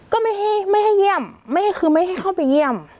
ก็ไม่ให้เยี่ยมไม่ให้คือไม่ให้เข้าไปเยี่ยม